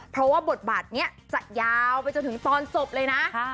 เพราะว่าบทบาทนี้จะยาวไปจนถึงตอนศพเลยนะ